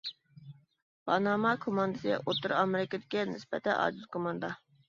پاناما كوماندىسى ئوتتۇرا ئامېرىكىدىكى نىسبەتەن ئاجىز كوماندا.